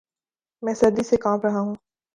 میں سردی سے کانپ رہا ہوں